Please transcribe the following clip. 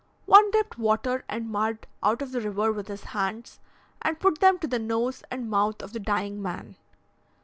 One dipped water and mud out of the river with his hands, and put them to the nose and mouth of the dying man.